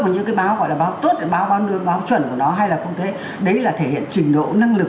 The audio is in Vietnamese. có những cái báo gọi là báo tốt báo đường báo chuẩn của nó hay là quốc tế đấy là thể hiện trình độ năng lực